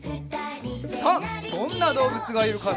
さあどんなどうぶつがいるかな？